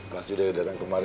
pas dio datang kemari